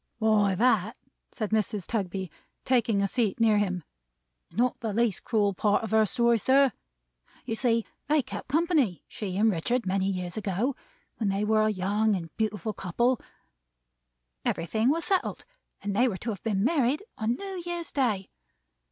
"Why, that," said Mrs. Tugby, taking a seat near him, "is not the least cruel part of her story, sir. You see they kept company, she and Richard, many years ago. When they were a young and beautiful couple, everything was settled, and they were to have been married on a New Year's Day.